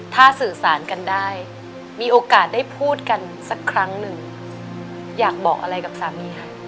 ถ้าสื่อสารกันได้มีโอกาสได้พูดกันสักครั้งหนึ่งอยากบอกอะไรกับสามีค่ะ